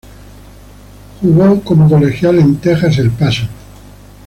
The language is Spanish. Jugo como colegial en Texas-El Paso.